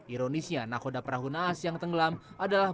ironisnya nakoda perahu naas yang tenggelam adalah